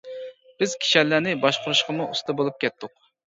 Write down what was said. بىز كىشەنلەرنى باشقۇرۇشقىمۇ ئۇستا بولۇپ كەتتۇق.